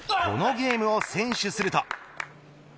このゲームを先取すると。